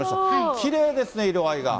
きれいですね、色合いが。